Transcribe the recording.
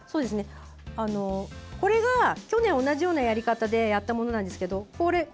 これが去年、同じようなやり方でやったものなんですけれども。